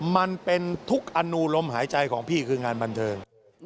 มันเป็นทุกอนุลมหายใจของพี่คืองานบันเทิง